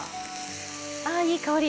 ああいい香り！